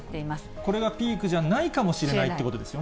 これがピークじゃないかもしれないってことですよね。